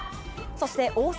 そして、大阪。